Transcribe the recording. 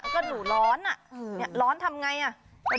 ก็หนูร้อนอ่ะร้อนทำไงอ่ะ